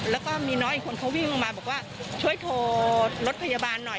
แล้วก็มีน้องอีกคนเขาวิ่งลงมาบอกว่าช่วยโทรรถพยาบาลหน่อย